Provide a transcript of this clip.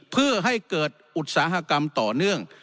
เพื่อให้เกิดอุตสาหกรรมต่อเนื่อง